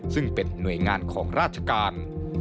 ซึ่งเป็นหน่วยงานของราชการ